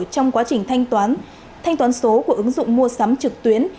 trong quá trình thanh toán thanh toán số của ứng dụng mua sắm trực tuyến